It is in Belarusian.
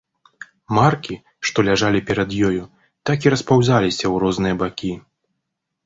Маркі, што ляжалі перад ёю, так і распаўзаліся ў розныя бакі.